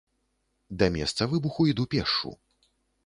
Да месца выбуху іду пешшу.